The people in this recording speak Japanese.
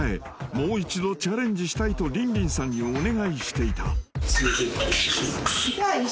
もう一度チャレンジしたいとリンリンさんにお願いしていた］